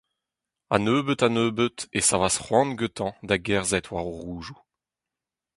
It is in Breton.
A-nebeut-a-nebeut e savas c'hoant gantañ da gerzhet war ho roudoù.